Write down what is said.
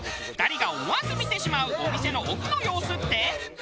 ２人が思わず見てしまうお店のオフの様子って？